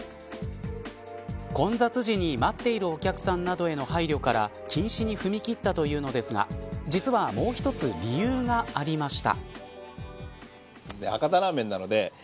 混雑時に待っているお客さんなどへの配慮から禁止に踏み切ったというのですが実は、もう一つ理由がありました。